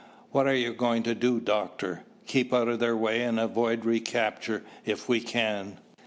"What are we going to do, Doctor?" "Keep out of their way and avoid recapture if we can.